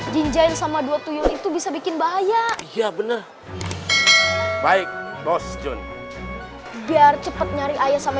jinjain sama dua tuyun itu bisa bikin bahaya iya bener baik bos jun biar cepat nyari ayah sama